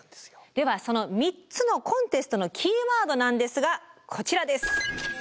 ではその３つのコンテストのキーワードなんですがこちらです。